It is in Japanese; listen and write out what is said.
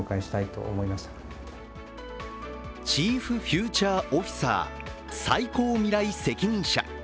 チーフ・フューチャー・オフィサー＝最高未来責任者。